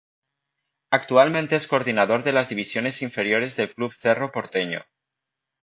Actualmente es Coordinador de las Divisiones Inferiores del Club Cerro Porteño.